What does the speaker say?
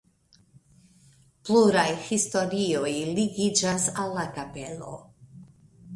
Pluraj historioj ligiĝas al la kapelo.